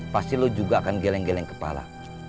pasti lo juga akan geleng geleng kepala